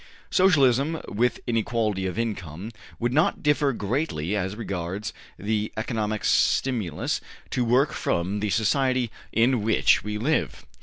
Socialism with inequality of income would not differ greatly as regards the economic stimulus to work from the society in which we live.